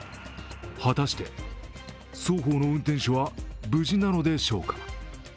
果たして双方の運転手は無事なのでしょうか。